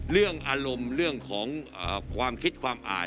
เรื่องอารมณ์เรื่องของความคิดความอ่าน